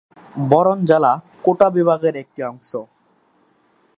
বরন জেলা কোটা বিভাগের একটি অংশ।